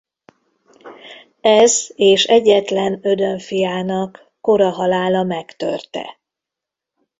Ez és egyetlen Ödön fiának kora halála megtörte.